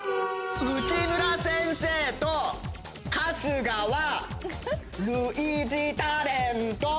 内村先生と春日は類似タレント！